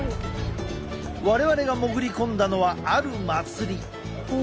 我々が潜り込んだのはある祭り。